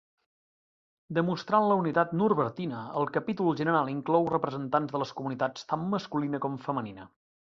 Demostrant la unitat norbertina, el Capítol general inclou representants de les comunitats tant masculina com femenina.